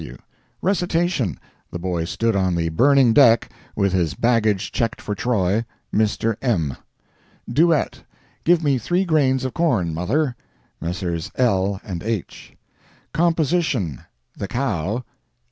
G. W. Recitation—The Boy Stood on the Burning Deck, with his Baggage Checked for Troy... Mr. M. Duett—Give me Three Grains of Corn, Mother ... Messrs. L. & H. Composition—The Cow...